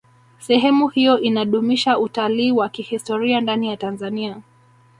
sehemu hiyo inadumisha utalii wa kihistoria ndani ya tanzania